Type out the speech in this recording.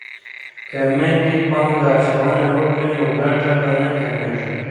که میندې پانګه اچونه وکړي نو ګټه به نه کمیږي.